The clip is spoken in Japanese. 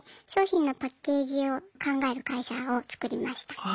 商品のパッケージを考える会社をつくりました。